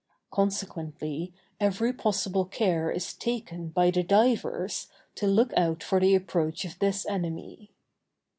Consequently, every possible care is taken by the divers to look out for the approach of this enemy.